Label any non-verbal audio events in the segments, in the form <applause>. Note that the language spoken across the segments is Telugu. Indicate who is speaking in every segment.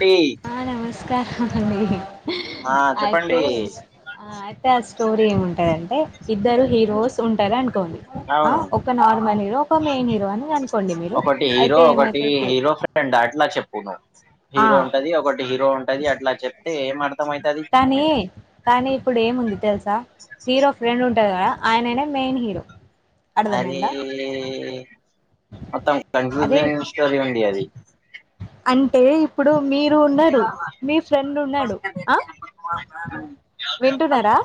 Speaker 1: డి
Speaker 2: ఆ నమస్కారం అండి
Speaker 1: ఆ చెప్పండి
Speaker 2: అయితే అయితే ఆ స్టోరీ ఏముంటాదింటే ఇద్దరు హీరోస్ ఉంటంది అనుకోండి
Speaker 1: అవును
Speaker 2: ఒక నార్మల్ హీరో ఒక మెయిన్ హీరో అని అనుకోండి మీరు
Speaker 1: ఒకటి హీరో
Speaker 2: అయితే
Speaker 1: ఒకటి
Speaker 2: ఏమైతది
Speaker 1: హీరో ఫ్రెండ్ అట్లా చెప్పు నువ్వు
Speaker 2: ఆ
Speaker 1: హీరో ఉంటది ఒకటి హీరో ఉంటది అట్లా చెప్తే మ
Speaker 2: కానీ కానీ ఇప్పుడు ఏముంది తెలుసా హీరో ఫ్రెండ్ ఉంటది కదా ఆయనైన మెయిన్ హీరో
Speaker 1: అది
Speaker 2: అర్థమైందా
Speaker 1: మొత్తం
Speaker 2: అదే
Speaker 1: కన్ఫ్యూజింగ్ స్టోరీ ఉంది అది
Speaker 2: అంటే ఇప్పుడు మీరు ఉన్నారు మీ ఫ్రెండ్ ఉన్నాడు ఆ వింటున్నారా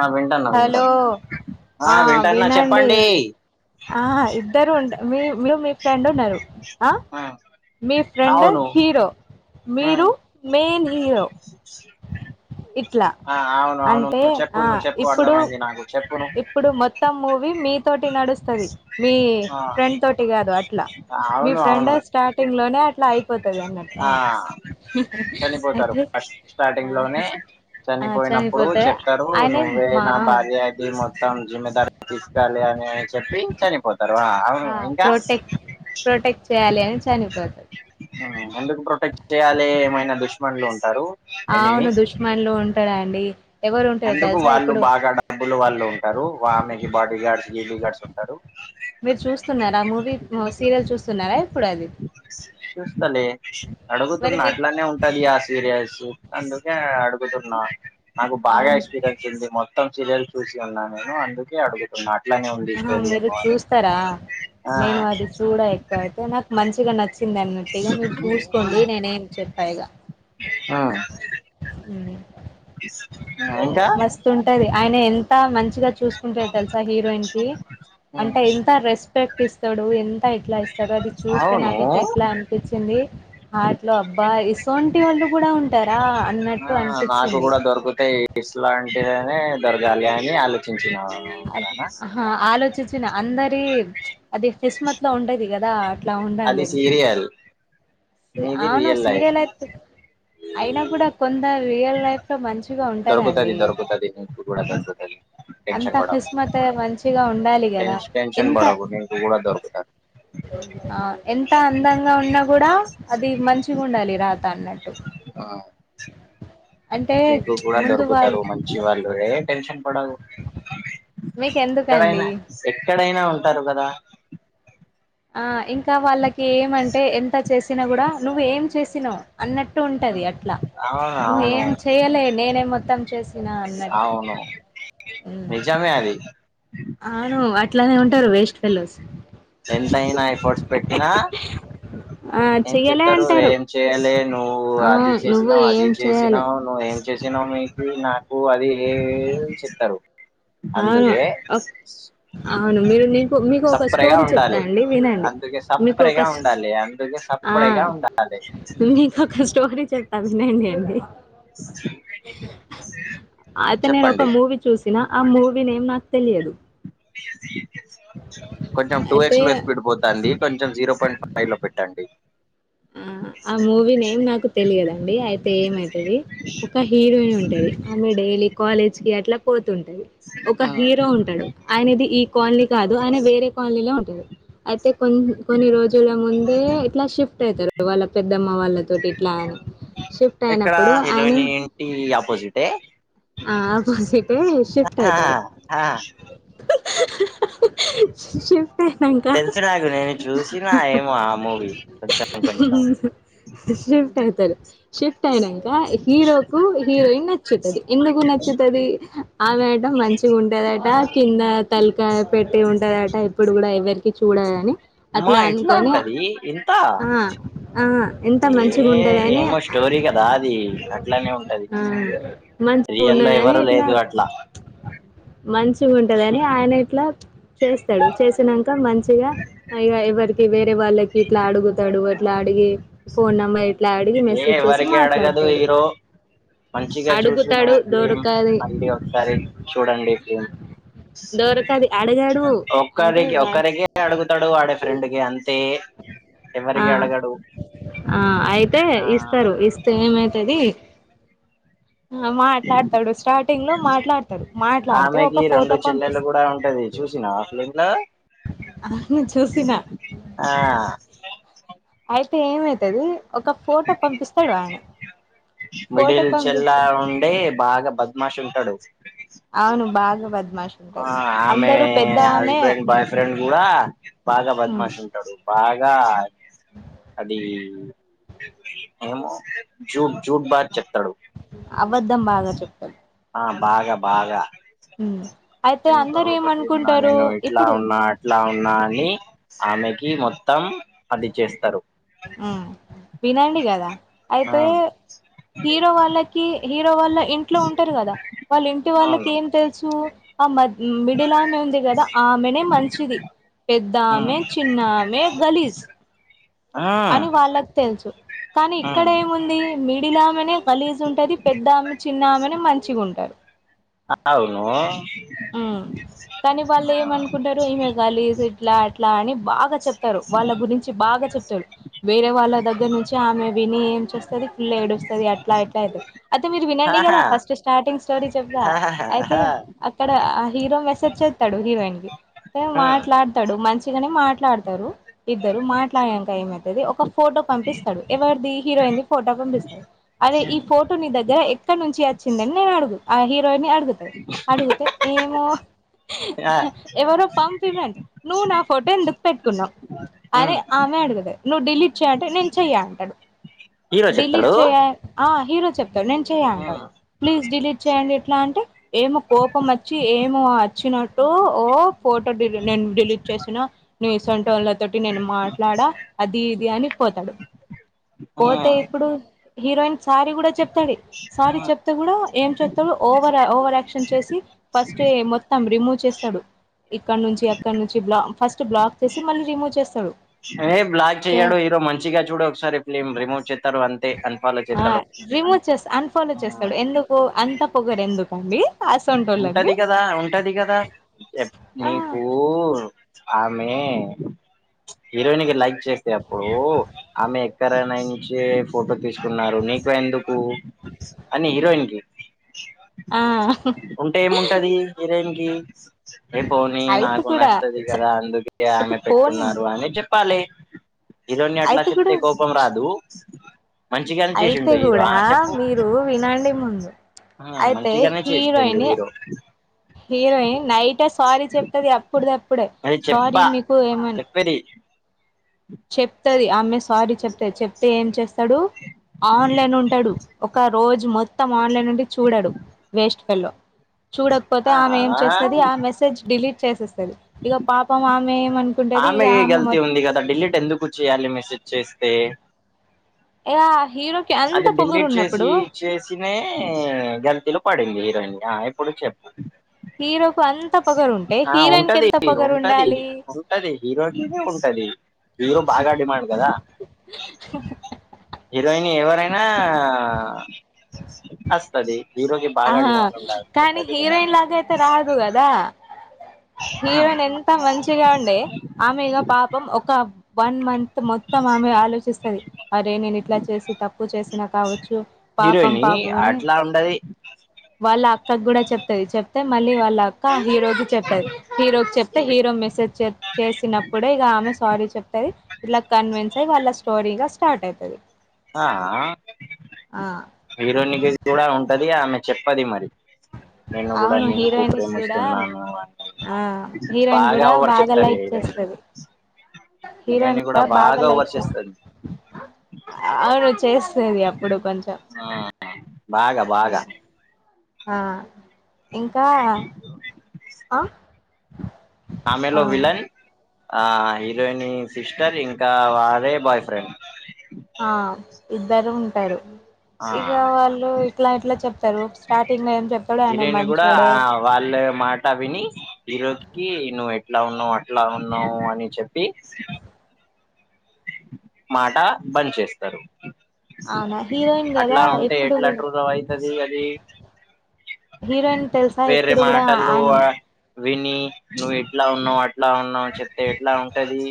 Speaker 1: ఆహ్ వింటన్నా వింటానా
Speaker 2: హలో
Speaker 1: ఆహ్ వింటాన్న
Speaker 2: వినండి
Speaker 1: చెప్పండి
Speaker 2: ఆ ఇద్దరు ఉంటరు మీ మీరు మీ ఫ్రెండ్ ఉన్నారు ఆ మీ ఫ్రెండ్
Speaker 1: అవును
Speaker 2: హీరో
Speaker 1: ఉమ్
Speaker 2: మీరు మీ ఇట్లా
Speaker 1: ఆ అవును అవును
Speaker 2: అంటే
Speaker 1: నువ్వు చెప్పు
Speaker 2: ఆ
Speaker 1: నువ్వు చెప్పు
Speaker 2: ఇప్పుడు
Speaker 1: అర్థమైంది నాకు చెప్పు నువ్వు
Speaker 2: ఇప్పుడు మొత్తం మూవీ మీ తోటి నడుస్తుంది మీ ఫ్రెండ్ తోటి కాదు అట్లా
Speaker 1: ఆ
Speaker 2: మీ
Speaker 1: అవును
Speaker 2: ఫ్రెండ్
Speaker 1: అవును
Speaker 2: స్టార్టింగ్ లోనే అట్లా అయిపోతుంది అన్నట్టు
Speaker 1: ఆ చనిపోతారు
Speaker 2: అయితే
Speaker 1: ఫస్ట్ స్టార్టింగ్
Speaker 2: ఆ
Speaker 1: లోనే
Speaker 2: ఆ
Speaker 1: చనిపోయినప్పుడు
Speaker 2: చనిపోతే
Speaker 1: చెప్తారు
Speaker 2: ఆయనే
Speaker 1: నువ్వే
Speaker 2: మా
Speaker 1: నా బా ది మొత్తం జిమ్మమెద తీసుకాల అని చెప్పి చనిపోతుంది ఆహ్ తర్వా అవును
Speaker 2: ఆ
Speaker 1: ఇంకా
Speaker 2: ప్రొటెక్ట్ ప్రొటెక్ట్ చేయాలి అని చనిపోతాడు
Speaker 1: ఆ ఎందుకు ప్రొటెక్ట్ చేయాలి ఏమైనా దుష్మనులు ఉంటారు
Speaker 2: అవును
Speaker 1: ఎనిమీస్
Speaker 2: దుష్మన్లు ఉంటరా అండి
Speaker 1: అందుకు వాళ్ళు బాగా డబ్బులు వాళ్ళు ఉంటరు ఆమెకి బాడీ గార్డ్స్ ఏలీ గార్డ్స్ ఉంటారు.
Speaker 2: మీరు చూస్తున్నారా మూవీ సీరియల్ చూస్తున్నారా ఇప్పుడు అది
Speaker 1: చూస్తలే అడుగుతున్న
Speaker 2: మీకు
Speaker 1: అట్లనే ఉంటది ఆసిర్యస్ అందుకే అడుగుతున్నా నాకు బాగా
Speaker 2: ఆన్
Speaker 1: ఎక్స్పీరియన్స్ ఉంది మొత్త మొత్తం సీరియల్ చూసి ఉన్నా నేను అందుకే అడుగుతున్నా అట్లానే ఉంది
Speaker 2: ఆహా
Speaker 1: స్టోరీ
Speaker 2: మీరు
Speaker 1: ఏమో
Speaker 2: చూస్తరా
Speaker 1: ఆ
Speaker 2: నేను అది చూడ ఎక్కువ అయితే నాకు మంచిగా నచ్చి అన్నట్టుగా మీరు చూసుకోండి నేనేం చెప్పాఇగా
Speaker 1: ఆ
Speaker 2: ఉ
Speaker 1: ఇంకా
Speaker 2: మస్తు ఉంటది ఆయన ఎంత మంచిగ చూసుకుంటరు తెలుసా హీరోయిన్ కి అంటే ఎంత రెస్పెక్ట్ ఇస్తడు ఎంత ఇట్ల ఇస్ సారు అది చూస్తే
Speaker 1: అవును
Speaker 2: నాకైతే ఎట్ల అనిపిచ్చింది ఆట్లో అబ్బా ఇసోంటి వాళ్ళు కూడా ఉంటారా అన్నట్టు
Speaker 1: ఆ నాకు
Speaker 2: అనిపించింది
Speaker 1: కూడా దొరుకుతాయి ఇస్లాంటిదనే దొరకాలి అని అలు
Speaker 2: అ ఆలోచించిన అందరి అది కిస్మత్ లో ఉంటది కదా అట్లా
Speaker 1: అది
Speaker 2: ఉండాలని
Speaker 1: సీరియల్ నీది
Speaker 2: అవును
Speaker 1: రియల్ లైఫ్
Speaker 2: సీరియల్ అయిత అయినా కూడా కొంద రియల్ లైఫ్ లో మంచిగా
Speaker 1: దొరుకుతది
Speaker 2: ఉంటదండి
Speaker 1: దొరుకుతది నీకు కూడా దొరుకుతది
Speaker 2: అంత
Speaker 1: టెన్షన్ పడకు
Speaker 2: కిస్మత్ మంచిగా ఉండాలి కదా
Speaker 1: టెన్ష్ టెన్షన్
Speaker 2: ఎంత
Speaker 1: పడకు నీకు కూడా దొరుకుతారు
Speaker 2: ఆ ఎంత అందంగా ఉన్నా కూడా అది మంచిగ ఉండాలి రాత అన్నట్టు అంటే
Speaker 1: మీకు కూడా
Speaker 2: ముందు వాళ్ళ
Speaker 1: దొరుకుతారు మంచి వాళ్ళే టెన్షన్ పడవు
Speaker 2: మీకు ఎందుకండి
Speaker 1: ఎక్కడైనా ఎక్కడైనా ఉంటారు కదా
Speaker 2: ఆ ఇంకా వాళ్ళకి ఏమంటే ఎంత చేసినా కూడా నువ్వు ఏం చేసినావు అన్నట్టు ఉంటది అట్లా
Speaker 1: అవును అవును
Speaker 2: నువ్వేం చేయలే నేనే మొత్తం చేసి చ్చిన అన్నట్టు
Speaker 1: అవును
Speaker 2: ఉమ్
Speaker 1: నిజమే అది
Speaker 2: అవును అట్లనే ఉంటారు వేస్ట్ ఫెల్లోస్
Speaker 1: ఎంతయినా ఎఫర్ట్స్ పెట్టినా
Speaker 2: ఆ
Speaker 1: ఏం
Speaker 2: చెయ్యలే
Speaker 1: చెప్తారు
Speaker 2: అంటారు
Speaker 1: ఏం చేయాలి నువ్వు
Speaker 2: ఆ
Speaker 1: అది
Speaker 2: నువ్వు
Speaker 1: చేసినా అది
Speaker 2: ఏం చేయాలే
Speaker 1: చేసినావు నువ్వు ఏం చేసినావు కి నాకు అది ఏం చేత్తారు
Speaker 2: అవును
Speaker 1: అందుకే
Speaker 2: ఒక్- అవును మీరు మీకు మీకు ఒక
Speaker 1: సప్పరిగా
Speaker 2: స్టోరీ చెప్తా
Speaker 1: ఉండాలి
Speaker 2: అండి వినండి
Speaker 1: అందుకే
Speaker 2: మీకు ఒక
Speaker 1: సప్పరిగా
Speaker 2: స్-
Speaker 1: ఉండాలి అందుకే సప్
Speaker 2: ఆ
Speaker 1: అప్పుడేగా ఉండాలి
Speaker 2: చేత్త వినండి అండి అతనేను ఒక
Speaker 1: చెప్పండి
Speaker 2: మూవీ చూసినా ఆ మూవి నేమ్ నాకు తెలియదు
Speaker 1: కొంచెం టూ
Speaker 2: అయితే
Speaker 1: ఎక్స్ లో స్పీడ్ పోతాంది కొంచెం జీరో పాయింట్ ఫ పైలో పెట్టండి
Speaker 2: ఆ ఆ మూవీ నేమ్ నాకు తెలియదండి. అయితే ఏమైతది ఒక హీరోయిన్ ఉంటది ఆమె డె డైలీ కాలేజ్ కి అట్లా పో ఉంటది ఒక హీరో ఉంటడు ఆయనది ఈ కాలనీ కాదు ఆయన వేరే కాలనీలో ఉంటది అయితే కొన్ కొన్ని రోజుల ముందే ఇట్లా షిఫ్ ట్ అయితరు వాళ్ళ పెద్దమ్మ వాళ్ళతోటి ఇట్లా అని షిఫ్ట్ అయినప్పుడు ఆయనే
Speaker 1: ఆపోజట్
Speaker 2: ఆ ఆపోజిట్ే ిఫ్ట్ అయితారు శి
Speaker 1: తెలిసుినకు నేను చూసిన ఏమో ఆ మూవీ కొంచెం కొంచెం
Speaker 2: షిఫ్ట్ అయితారు షిఫ్ట్ అయినాక హీరో కు హీరోయిన్ నచ్చుతుంది ఎందుకు నచ్చుతుది ఆమె ఆట మంచిగా ఉంటదిట కింద తలకా పెట్టి ఉంటది పరాట ఇప్పుడు కూడా ఎవరికి చూడాలని
Speaker 1: అమ్మా
Speaker 2: అట్లా
Speaker 1: ఇట్లా
Speaker 2: అనుకొని
Speaker 1: ఉంటది ఇంత
Speaker 2: ఆ ఆ ఎంత మంచిగా ఉంటదని
Speaker 1: చోరీ కదా అది అట్లనే ఉంటది
Speaker 2: ఆ
Speaker 1: రియల్ లో ఎవరు లేదు అట్లా
Speaker 2: మంచి ఉంటదని ఆయన ఇట్లా చేస్తాడు చేసిన ఇంకా మంచిగా ఇ ఎవరికి వేరే వాళ్ళకి ఇట్లా అడుగుతాడు అట్లా అడిగి ఫోన్ నెంబర్ ఇట్లా అడిగి
Speaker 1: ఏ
Speaker 2: మెసేజ్ చేసి
Speaker 1: ఎవరికి అడగదు
Speaker 2: మాట్లాడతాడు అడుగు
Speaker 1: చ ఫమ్ మళ్ళీ ఒకసారి చూడండి ఫ్మ్
Speaker 2: దొరకది అడగడు
Speaker 1: ఒక్కరి
Speaker 2: అంటే వా
Speaker 1: ఒక్కరిగ అడుగు తడుగు ఆడే ఫ్రెండ్ గ అంత తే ఎవరకి అడగాడు
Speaker 2: అే ఇస్తారు ఇస్తే ఏమైతుది మాట్లాడతాడు స్టార్టింగ్ లో మాట్లాడతాడు మాట్లాడితే ఒక ఫోటో పంపిస్తా
Speaker 1: ఆఫ్లైన్ లో
Speaker 2: అ చూసిన
Speaker 1: ఆ
Speaker 2: అయి అంటే ఏమైతుది ఒక ఫోటో పంపిస్తాడు ఆయన ఫోటో పంపించ
Speaker 1: లా ఉండే బాగా బద్మాష ఉంటాడు
Speaker 2: అవును బాగా బద్మాష్ ఉంటది అందరూ పెద్ద ఆమె
Speaker 1: హజబె బయఫ్రె బ బ
Speaker 2: హ్మ్,
Speaker 1: బద్మాశ ఉంటాడు బాగా అది ఏమో జూట్ జూడ్ బాార్ చెప్తాడు
Speaker 2: అబద్ద్దం బాగా చెప్పడు
Speaker 1: ఆ బాగా బాగా
Speaker 2: హ
Speaker 1: నేను కరుడపతి ఉన్నా నేను ఇట్లా
Speaker 2: ఇప్పుడు
Speaker 1: ఉన్నా అట్లా ఉన్నా అని ఆమెకి మొత్తం అది చేస్తారు
Speaker 2: హ్మ్, వినండి కదా
Speaker 1: ఆ
Speaker 2: అయితే హీరో వాళ్ళకి హీరో వాళ్ళ ఇంట్లో ఉంటారు కదా వాళ్ళ ఇంటి వాళ్ళకి
Speaker 1: అవును
Speaker 2: ఏం తెలుసు ఆ మ మిడిలా ఆమె ఉంది కదా ఆమెనే మంచిది పెద్ద ఆమె
Speaker 1: ఉమ్
Speaker 2: చిన్నమె గలీస్ అని
Speaker 1: ఉమ్
Speaker 2: వాళ్ళకు తెలుసు కానీ ఇక్కడ
Speaker 1: ఉమ్
Speaker 2: ఏముంది మిడిల్ ఆమెనే లీజ్ ఉంటది పెద్దామ్మ చిన్నమ్మనే మంచిగా ఉంటారు
Speaker 1: అవును
Speaker 2: ఆ కానీ వాళ్ళు ఏమనుకుంటారు ఈమె ఇట్లా ఎట్లా అని బాగా చెప్తారు వాళ్ళ గురించి బాగా చెప్తారు వేరే వాళ్ళ దగ్గర నుంచి ఆమె విని ఏం చేస్తుది ఫుల్ ఏడు వస్తుంది అట్లా ఎట్లా అది అయితే మీరు వినండి కదా
Speaker 1: ఆహా
Speaker 2: ఫస్ట్ స్టార్టింగ్ స్టోరీ చెప్ా
Speaker 1: ఆహాహా
Speaker 2: అయితే ఇక్కడ ఆ హీరో మెసేజ్ చేస్తాడు హీరోయిన్ కి
Speaker 1: ఉమ్
Speaker 2: మాట్లాడతాడు మంచి కాని మాట్లాడతారు ఇద్దరు మాట్లాడక ఏమైతుంది ఒక ఫోటో పంపిస్తాడు ఎవరిది హీరోయి ఫోటో పంపిస్తుంది అదే ఈ
Speaker 1: ఉమ్
Speaker 2: ఫోటో నీ దగ్గర ఎక్కడ నుంచి వచ్చిందని నేను అడుగు ఆ హిరోయిని
Speaker 1: <inaudible>
Speaker 2: ఏమో
Speaker 1: ఆ
Speaker 2: ఎవరో పంపండి నువ్వు నా ఫోటో ఎందుకు పెట్టుకున్నాం అది
Speaker 1: ఉమ్
Speaker 2: ఆమె అడగద నువ్వు డిలీట్ చేయ అంటే నేను చెయ అంటాడు
Speaker 1: హీరో
Speaker 2: డిలీట్
Speaker 1: చెప్తాడు
Speaker 2: చేయ ఆ హీరో చెప్తారు నేను చెయ
Speaker 1: ఉమ్
Speaker 2: అంటాను ప్లీజ్ డిలీట్ చేయండి ఎట్లా అంటే ఏమో కోపం వచ్చి ఏమో వచ్చినట్టు ఓ ఫోటో నేను డిలీట్ చేసిన నన్ సెంటోన్ల తోటి నేను మాట్లాడా అది ఇది అని పోతాడు పోతే
Speaker 1: ఉమ్
Speaker 2: ఇప్పుడు హీరోయిన్ సారీ కూడా చెప్తాడు సారీ
Speaker 1: ఉమ్
Speaker 2: చెప్తే కూడా ఏం చెప్తాడు ఓవర్ ఓవర్ చేసి ఫస్ట్ మొత్తం రిమూవ్ చేస్తాడు ఇక్కడ నుంచి అక్కడ నుంచి బ్ ఫస్ట్ బ్లాక్ చేసి మళ్ళీ రిమూవ్ చేస్తాడు
Speaker 1: ఏ్లాగ చెయ్యాడు హీరో మంచిగా చూడు ఒకసారి ఫలిమ్ రిమోట్
Speaker 2: ఆ రిమూవ్ చేస్తా అన్ఫాలో
Speaker 1: ఆ
Speaker 2: చేస్తాడు ఎందుకు అంతా పొగడు ఎందుకు అండి
Speaker 1: ఉంటది కదా ఉంటది కదా ఎ
Speaker 2: ఆ
Speaker 1: నీకు ఆమె హీరోయి లైక్ చేస్తే అప్పుడు ఆమె ఎక్కరానా నుంచి ఫోటో తీసుకున్నారు ందుకు అ హిరోయిన్కి
Speaker 2: ఆ
Speaker 1: ఉంటే ఏముంటది వరేమికి ఏ పోనీ
Speaker 2: అయితే
Speaker 1: నాకు
Speaker 2: కూడా
Speaker 1: నచ్చది కదా అందుకే
Speaker 2: అయితే
Speaker 1: ఆమె
Speaker 2: పోనీ
Speaker 1: పెట్టుకున్నారు అని చెప్ చెప్పాలె హీరోని అట్లా
Speaker 2: అయితే
Speaker 1: చెప్తే కోపం రాదు మంచిగానే
Speaker 2: ఐతే
Speaker 1: చేసిండు హీరో
Speaker 2: కూడా
Speaker 1: ఆ చెప్పు
Speaker 2: మీరు వినండి మున్
Speaker 1: ఆ
Speaker 2: ఐతే
Speaker 1: మంచిగానే చేసిండు
Speaker 2: హీరోయిని
Speaker 1: హీరో
Speaker 2: హీరోయిన్ నైటే సారీ చెప్తది ఎప్పుడు అప్పుడే
Speaker 1: అది
Speaker 2: సారీ
Speaker 1: చెప్పా
Speaker 2: మీకు ఏమన్
Speaker 1: చెప్పేది
Speaker 2: చెప్తది ఆమె సారీ చెప్తది చెప్తే ఏం చేస్తడు ఆన్లైన్ ఉంటడు ఒక రోజు మొత్తం ఆన్లైన్ ఉండి చూడడు వేస్ట్ ఫెల్లో చూడక్పోతే ఆమె ఏం
Speaker 1: ఆ
Speaker 2: చేస్తది ఆ మెసేజ్ డిలీట్ చేసేస్ ఇక పాపం మామె ఏమ అనుకుంటది ఇక ఆమె
Speaker 1: గల్తీ
Speaker 2: మొత్త
Speaker 1: ఉంది కదా డిలీట్ ఎందుకు చేయాలి మెసేజ్ చేస్తే
Speaker 2: యా
Speaker 1: అంటే ఢిల్లీట్ చేసి చేసినే గల్తులు పడింది హీరోయిన్యా ఇప్పుడు చెప్పు
Speaker 2: హీరోకు అంత పొగరు ఉంటే
Speaker 1: ఆ ఉంటది
Speaker 2: హీరోయిన్కెంత పొగరు
Speaker 1: ఉంటది
Speaker 2: ఉండాలి
Speaker 1: ఉంటది హీరోకినే ఉంటది హీరో బాగా డిమాండ్ కదా హీరోయిన్ ఎవ నైనా అత్తది హీరోకి బాగా
Speaker 2: ఆహా
Speaker 1: డిమండ్
Speaker 2: కానీ
Speaker 1: కూడాద
Speaker 2: హీరోయిన్ లాగ అయితే రాదు కదా హీరోయిన్ ఎంత మంచిగా ఉండే ఆమెగా పాపం ఒక వన్ మంత్ మొత్తం ఆమె ఆలోచిస్తుది అరే నేను ఇట్లా చేసి తక్ప్పువ చేసినా కావచ్చు పాపం
Speaker 1: హీరోయిని
Speaker 2: పాపం అని
Speaker 1: అట్లా ఉండది
Speaker 2: వాళ్ళ అక్కకి కూడా చెప్తది చెప్తే మళ్ళీ వాళ్ళ అక్క హీరోకి చెప్తది హీరోకి చెప్తే హీరో మెసేజ్ చేసినప్పుడ ఇక ఆమె సారీ చెప్తది ఇట్లా కన్విన్స్ అయి వాళ్ళ స్టోరీగా స్టార్ట్ అవుతుది
Speaker 1: ఆ హీరోన్ కూడా ఉంటది ఆమె చెప్పది మరి నేను కూడా
Speaker 2: అవును
Speaker 1: నీకు
Speaker 2: హీరోయిన్ కూడా
Speaker 1: ప్రేమిస్తున్నాను అని
Speaker 2: ఆ హీరోయిన్
Speaker 1: బాగా
Speaker 2: కూడా
Speaker 1: ఎవర్
Speaker 2: బాగా
Speaker 1: చెప్తరే
Speaker 2: లైక్
Speaker 1: ఇడ
Speaker 2: చేస్తది హీరోయిన్
Speaker 1: బిర్యానీ కుడ
Speaker 2: కూడా
Speaker 1: బాగ
Speaker 2: బాగా లైక్
Speaker 1: ఎవర్ చేస్తర్
Speaker 2: అవును చేస్తది అప్పుడు కొంచెం
Speaker 1: బాగా బాగా
Speaker 2: ఆ ఇంకా ఆ ఆ
Speaker 1: ఆమెలో విలన్ ఆ హీరోయిన్ సిస్టర్ ఇంకా వారే బాయ్ ఫ్రెండ్
Speaker 2: ఆ ఇద్దరు ఉంటారు
Speaker 1: ఆ
Speaker 2: ఇగ వాళ్ళు ఇట్లా ఇట్లా చెప్తారు స్టార్టింగ్ లో ఏం చెపడు ఆయన మంచోడే
Speaker 1: లె మాట విని ఇరోకి ను ఈట్లా ఉన్నావు అట్లా ఉన్నావు అని చెప్పి మాట పంచేస్తారు
Speaker 2: అవునా హీరోయిన్ కదా
Speaker 1: అట్లా ఉంటే
Speaker 2: ఎప్పుడు
Speaker 1: ఎట్లా
Speaker 2: కూడా
Speaker 1: ట్రై లవ్ అయితది అది
Speaker 2: హీరోయిన్ తెలుసా
Speaker 1: వేరే
Speaker 2: ఎప్పుడు కూడా
Speaker 1: మాటల్లో
Speaker 2: అండ్
Speaker 1: విని నువ్వు ఈట్లా ఉన్నావు అట్లా ఉన్నావు చెప్తే ఎట్లా ఉంటది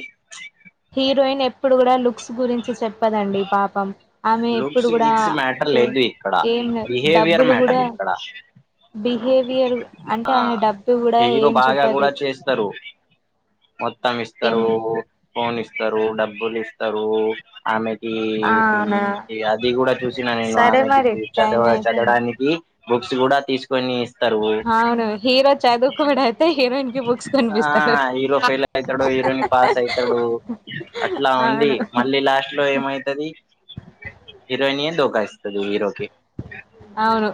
Speaker 2: హీరోయిన్ ఎప్పుడు కూడా లుక్స్ గురించి చెప్పదండి పాపం ఆమె ఎప్పుడు
Speaker 1: లుక్స్
Speaker 2: కూడా
Speaker 1: గిక్స్ మ్యాటర్ లేదు ఇక్కడ
Speaker 2: ఏం
Speaker 1: బిహేవియర్
Speaker 2: డబ్బులు కూడా
Speaker 1: మ్యాటర్ ఇక్కడ
Speaker 2: బిహేవియర్ అంటే
Speaker 1: ఆ
Speaker 2: ఆయన డబ్బు కూడా
Speaker 1: హీరో
Speaker 2: ఏం
Speaker 1: బాగా
Speaker 2: చెప్పది
Speaker 1: కూడా చేస్తారు మొత్తం ఇస్తారు
Speaker 2: ఏం
Speaker 1: ఫోన్ ఇస్తారు డబ్బులు ఇస్తారు ఆమె ఈ
Speaker 2: అవునా
Speaker 1: అది కూడా చూసినా నేను
Speaker 2: సరే
Speaker 1: ఆమెకి
Speaker 2: మరి టైం
Speaker 1: చదవ
Speaker 2: అయిపోయింది
Speaker 1: చదవడానికి బుక్స్ కూడా తీసుకొని ఇస్తారు
Speaker 2: అవును హీరో చాదుకోడ్ అయితే హీరోయిన్ కి బుక్స్
Speaker 1: ఆ
Speaker 2: కొనిపిస్తాడు
Speaker 1: హీరో ఫెయిల్ అయితాడు హీరోయిన్ పాస్ అయితాడు అట్లా ఉంది
Speaker 2: అవును
Speaker 1: మళ్ళీ లాస్ట్ లో ఏమోతుది హీరోయిన్య దోకాయిస్తది హీరో కి
Speaker 2: అవును